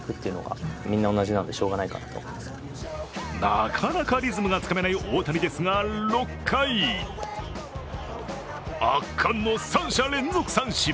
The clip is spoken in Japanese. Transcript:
なかなかリズムがつかめない大谷ですが、６回圧巻の３者連続三振。